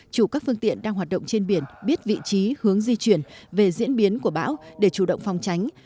chủ các phương tiện đang hoạt động trên biển biết vị trí hướng di chuyển về diễn biến của bão để chủ động phòng tránh